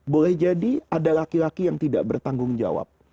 boleh jadi ada laki laki yang tidak bertanggung jawab